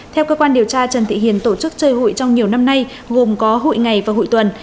theo cơ quan điều tra trần thị hiền tổ chức chơi hội trong nhiều năm nay gồm có hội ngày và hội tuần